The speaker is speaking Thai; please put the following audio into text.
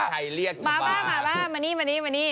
กับชัยเรียกเจอมา